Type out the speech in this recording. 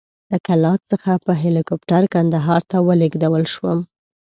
له کلات څخه په هلیکوپټر کندهار ته ولېږدول شوم.